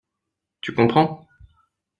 Tu comprends?